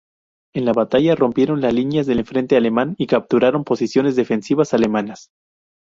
En la batalla rompieron las líneas del frente alemán y capturaron posiciones defensivas alemanas.